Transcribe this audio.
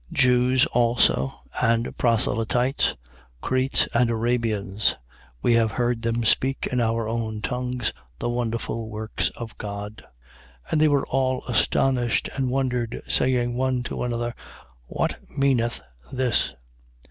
Jews also, and proselytes, Cretes, and Arabians: we have heard them speak in our own tongues the wonderful works of God. 2:12. And they were all astonished, and wondered, saying one to another: What meaneth this?